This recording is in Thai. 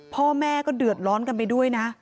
พ่อแม่ก็เดือดร้อนกันไปด้วยนะ